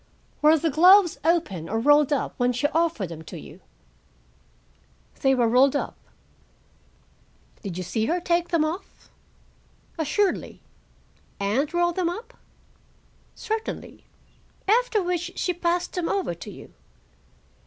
"Were the gloves open or rolled up when she offered them to you?" "They were rolled up." "Did you see her take them off?" "Assuredly." "And roll them up?" "Certainly." "After which she passed them over to you?"